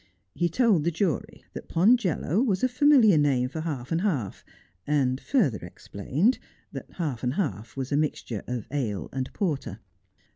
He told the jury that pongelo was a familiar name for half and half, and further explained that half and half was a mixture of ale and porter.